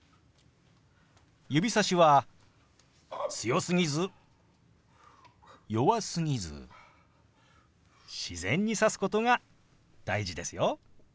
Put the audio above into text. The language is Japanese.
指さしは強すぎず弱すぎず自然に指すことが大事ですよ。